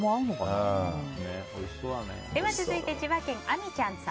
では続いて千葉県の方。